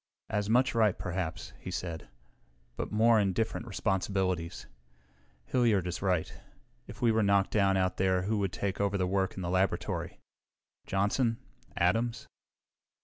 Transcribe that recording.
"As much right, perhaps," he said, "but more and different responsibilities. Hilliard is right. If we were knocked down out there who would take over the work in the laboratory? Johnson? Adams?